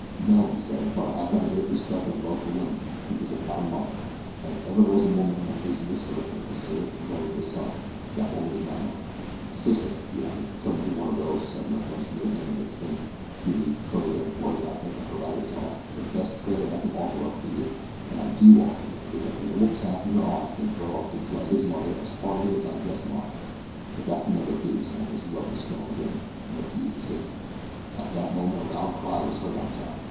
"No," he said, "but I have got a great respect and love for women, because I've got a mother, and if ever there was a woman on the face of this earth that deserves the love of a son, that woman is my mother. Sister," he added, turning to one of those who sat on a bench near him with a thin, puny, curly haired boy wrapped up in her ragged shawl, "the best prayer that I could offer up for you and I do offer it is, that the little chap in your arms may grow up to bless his mother as heartily as I bless mine, but that can never be, so long as you love the strong drink and refuse the Saviour." At that moment a loud cry was heard outside.